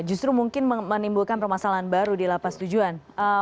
justru mungkin menimbulkan permasalahan baru di lapas tujuan